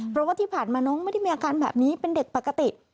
เพราะว่าที่ผ่านมาน้องไม่ได้มีอาการแบบนี้เป็นเด็กปกติ